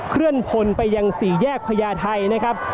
เคลื่อนพลไปยังสี่แยกพญาไทยนะครับ